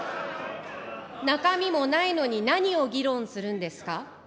中身もないのに何を議論するんですか。